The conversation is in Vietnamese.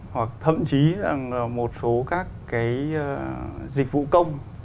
hoặc thậm chí là một số các cái dịch vụ công